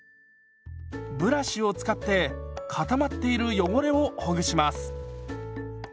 ブラシを使って固まっている汚れをほぐします。